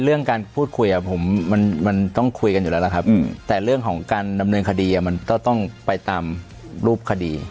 เรื่องการพูดคุยผมมันต้องคุยกันอยู่แล้วล่ะครับแต่เรื่องของการดำเนินคดีมันก็ต้องไปตามรูปคดี